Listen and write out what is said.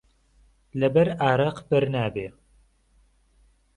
له بهر عارهق بهر نابێ